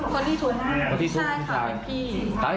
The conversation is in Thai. คนที่ทุกข์ใช่ค่ะพี่